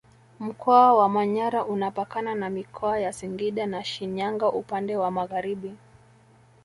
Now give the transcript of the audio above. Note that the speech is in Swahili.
Mkoa wa Manyara unapakana na Mikoa ya Singida na Shinyanga upande wa magharibi